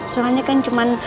soalnya kan cuman